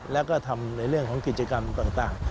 แล้วก็ทำในเรื่องของกิจกรรมต่าง